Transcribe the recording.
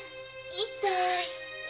痛い。